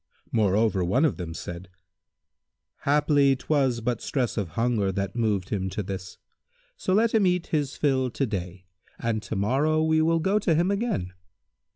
Moreover one of them said, "Haply 'twas but stress of hunger that moved him to this; so let him eat his fill to day, and to morrow we will go to him again."